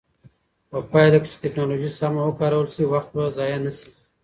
په پایله کې چې ټکنالوژي سمه وکارول شي، وخت به ضایع نه شي.